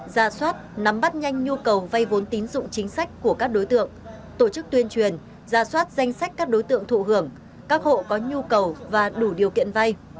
ra soát nắm bắt nhanh nhu cầu vay vốn tín dụng chính sách của các đối tượng tổ chức tuyên truyền giả soát danh sách các đối tượng thụ hưởng các hộ có nhu cầu và đủ điều kiện vay